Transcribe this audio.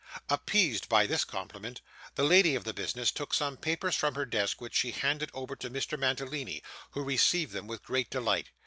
Appeased by this compliment, the lady of the business took some papers from her desk which she handed over to Mr. Mantalini, who received them with great delight.